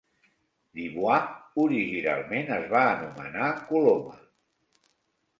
Du Bois originalment es va anomenar Coloma.